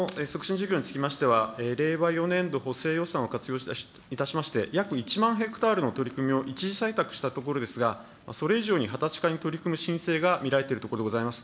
事業につきましては、令和４年度補正予算を活用いたしまして、約１万ヘクタールの取り組みを一時採択したところですが、それ以上に畑地化に取り組む申請が見られているところでございます。